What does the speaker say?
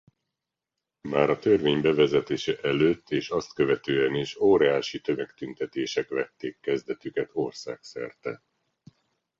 Már a törvény bevezetése előtt és azt követően is óriási tömegtüntetések vették kezdetüket országszerte.